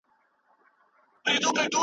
دولت د کلیو له واقعیتونو لرې پاتې شو.